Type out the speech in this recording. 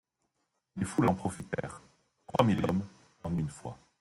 Des foules en profitèrent, trois mille hommes en une fois.